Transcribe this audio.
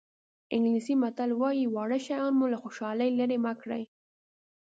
انګلیسي متل وایي واړه شیان مو له خوشحالۍ لرې مه کړي.